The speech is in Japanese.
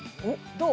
どう？